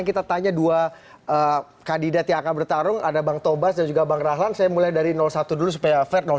kita akan mulai dari satu dulu supaya fair